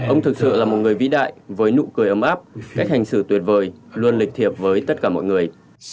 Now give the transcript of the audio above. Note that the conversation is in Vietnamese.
ông thực sự là một người vĩ đại với nụ cười ấm áp cách hành xử tuyệt vời luôn lịch thiệp với tất cả mọi người